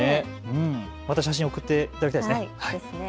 また写真送っていただきたいですね。